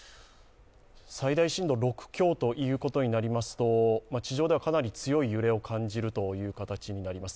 最大震度６強ということになりますと地上ではかなり強い揺れを感じることになります。